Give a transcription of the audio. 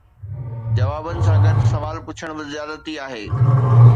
جوابن سان گڏ سوال پڇڻ به زيادتي آهي